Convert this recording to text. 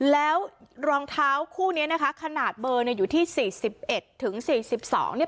แล้วรองเท้าคู่นี้ขนาดเบอร์อยู่ที่๔๑๔๒